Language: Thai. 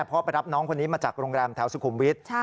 พ่อไปรับน้องคนนี้มาจากโรงแรมแถวสุขุมวิทย์